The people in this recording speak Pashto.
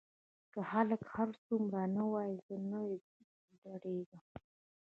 که خلک هر څومره نه ووايي زه نه درېږم.